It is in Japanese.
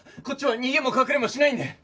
こっちは逃げも隠れもしないんで。